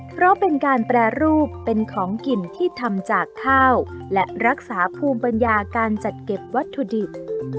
เพราะเป็นการแปรรูปเป็นของกินที่ทำจากข้าวและรักษาภูมิปัญญาการจัดเก็บวัตถุดิบ